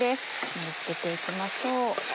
盛り付けていきましょう。